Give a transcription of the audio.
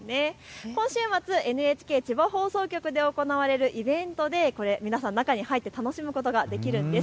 今週末、ＮＨＫ千葉放送局で行われるイベントで皆さん中に入って楽しむことができるんです。